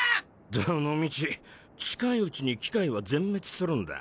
どの道近いうちに機械は全滅するんだ。